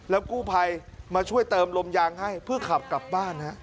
กู้ภัยมาช่วยเติมลมยางให้เพื่อขับกลับบ้าน